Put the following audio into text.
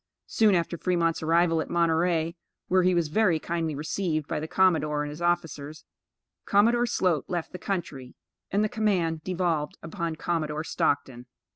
Soon after Fremont's arrival at Monterey (where he was very kindly received by the commodore and his officers), Commodore Sloat left the country, and the command devolved upon Commodore Stockton.